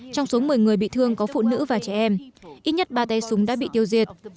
trong số một mươi người bị thương có phụ nữ và trẻ em ít nhất ba tay súng đã bị tiêu diệt